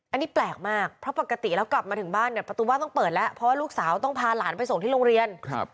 อันนี้แปลกมากเพราะปกติแล้วกลับมาถึงบ้านเนี่ยประตูบ้านต้องเปิดแล้วเพราะว่าลูกสาวต้องพาหลานไปส่งที่โรงเรียน